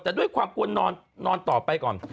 แต่ด้วยความควรนอนต่อไปก่อน